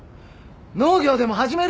農業でも始めるか？